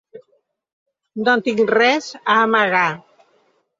No tinc res a amagar.